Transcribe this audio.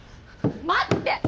待って！